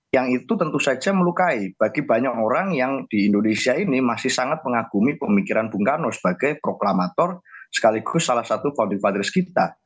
yang itu tentu saja melukai bagi banyak orang yang di indonesia ini masih sangat mengagumi pemikiran bung karno sebagai proklamator sekaligus salah satu founding fathers kita